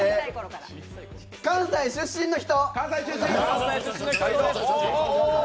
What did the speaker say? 関西出身の人。